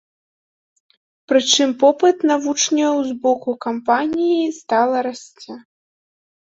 Прычым попыт на вучняў з боку кампаній стала расце.